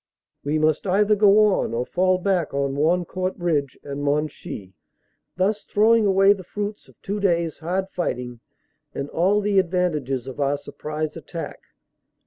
We must either go on or fall back on Wancourt Ridge and Monchy. thus throwing away the fruits of two days hard fighting and all the advantages of our surprise attack.